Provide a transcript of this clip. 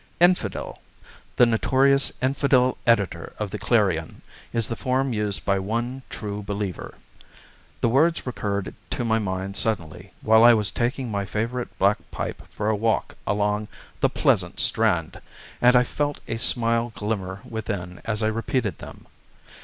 Infidel! "The notorious infidel editor of the Clarion" is the form used by one True Believer. The words recurred to my mind suddenly, while I was taking my favourite black pipe for a walk along "the pleasant Strand," and I felt a smile glimmer within as I repeated them.